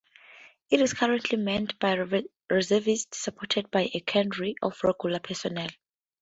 It is currently manned by Reservists supported by a cadre of Regular personnel.